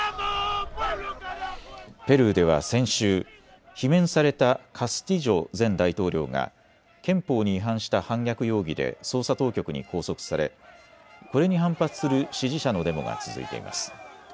ペルーでは先週、罷免されたカスティジョ前大統領が憲法に違反した反逆容疑で捜査当局に拘束され、これに反発する支持者のデモが続いています。